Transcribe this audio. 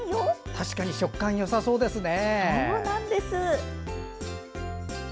確かに食感よさそうですね。